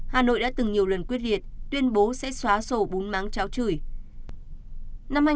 hà nội đã từng nhiều lần quyết liệt tuyên bố sẽ xóa sổ bốn máng cháo chửi